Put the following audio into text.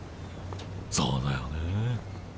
そうだよね。